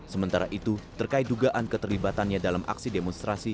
sementara itu terkait dugaan keterlibatannya dalam aksi demonstrasi